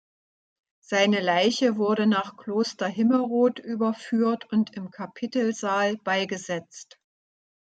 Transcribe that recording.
Seine Leiche wurde nach Kloster Himmerod überführt und im Kapitelsaal beigesetzt.